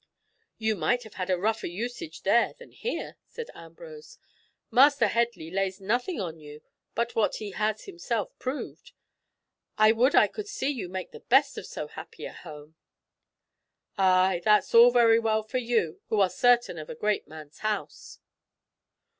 "You might have had rougher usage there than here," said Ambrose. "Master Headley lays nothing on you but what he has himself proved. I would I could see you make the best of so happy a home." "Ay, that's all very well for you, who are certain of a great man's house."